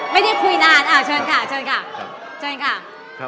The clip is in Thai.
ไม่ได้คุยนานอ่าเชิญค่ะเชิญค่ะ